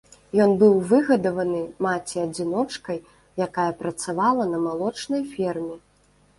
Ён быў выгадаваны маці-адзіночкай, якая працавала на малочнай ферме.